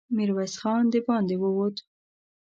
ميرويس خان د باندې ووت.